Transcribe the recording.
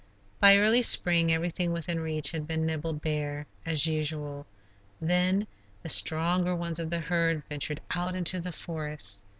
By early spring everything within reach had been nibbled bare, as usual; then the stronger ones of the herd ventured out into the forests.